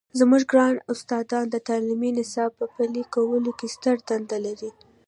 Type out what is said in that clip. زموږ ګران استادان د تعلیمي نصاب په پلي کولو کې ستره دنده لري.